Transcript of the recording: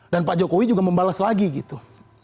dan pak jokowi juga membalas lagi gitu